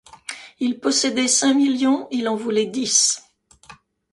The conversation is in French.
Il possédait cinq millions, il en voulait dix!